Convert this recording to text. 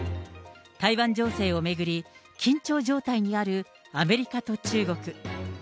台湾情勢を巡り、緊張状態にあるアメリカと中国。